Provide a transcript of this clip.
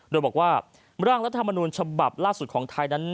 โดยบอกว่าร่างรัฐมนูญฉบับล่าสุดของไทยนั้น